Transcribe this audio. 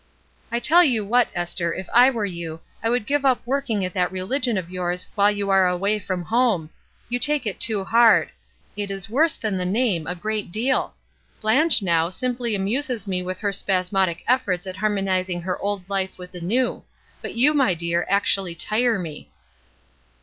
I tell you what, Esther, if I were you, I would give up working at that religion of yours while you are away from home; you take it too hard; it is worse than the name, a great deal! Blanche, now, simply amuses me with her spasmodic efforts at harmonizing her old hfe with the new; but you, my dear, actually tire me."